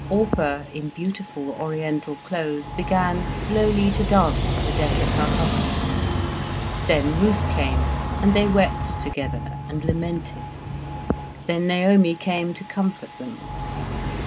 Orpah, in beautiful oriental clothes, began slowly to dance the death of her husband. Then Ruth came, and they wept together, and lamented, then Naomi came to comfort them.